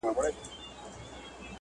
نو د طبيبانو په مشوره